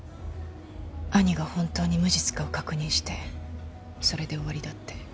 兄が本当に無実かを確認してそれで終わりだって。